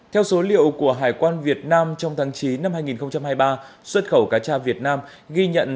theo số liệu của hải quan việt nam trong tháng chín năm hai nghìn hai mươi ba xuất khẩu cá tra việt nam ghi nhận